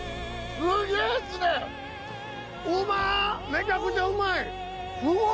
めちゃくちゃうまいすごい！